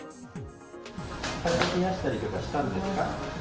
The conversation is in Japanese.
体冷やしたりとかしたんですか？